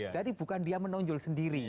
jadi bukan dia menonjol sendiri